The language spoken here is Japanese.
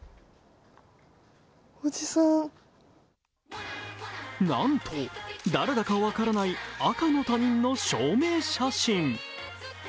おじさんなんと誰だか分からない赤の他人の証明写真。